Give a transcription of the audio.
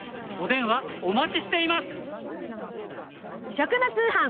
食の通販。